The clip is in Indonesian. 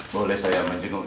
boleh saya menjenguk